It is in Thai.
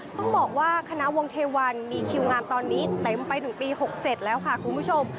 ต้องบอกว่าคณะวงเทวันมีคิวงานตอนนี้เต็มไปถึงปี๖๗แล้วค่ะคุณผู้ชม